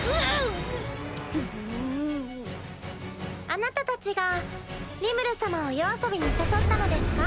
あなたたちがリムル様を夜遊びに誘ったのですか？